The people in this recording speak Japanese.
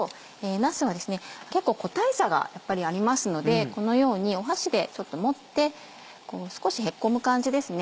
なすは結構個体差がやっぱりありますのでこのように箸で持ってこう少しへこむ感じですね。